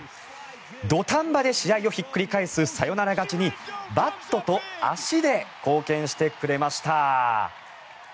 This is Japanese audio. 土壇場で試合をひっくり返すサヨナラ勝ちにバットと足で貢献してくれました。